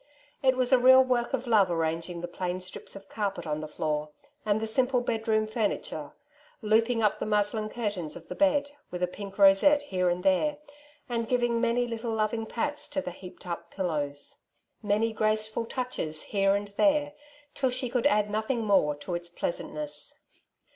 It was a real work of love arranging the plain strips of carpet on the floor, and the simple bed room furniture, loop ing up the muslin curtains of the bed with a pink rosette here and there, and giving many little loving pats to the heaped up pillows, many graceful touches here and there, till she could add nothing more to its pleasantness.